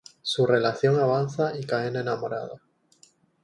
Su relación avanza y caen enamorados.